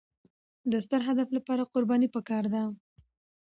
د ستر هدف لپاره قرباني پکار ده.